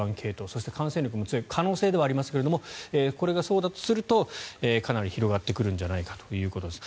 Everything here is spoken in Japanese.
そして、感染力も強いという可能性ではありますがこれがそうだとするとかなり広がってくるんじゃないかということです。